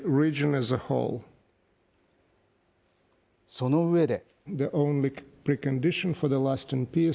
その上で。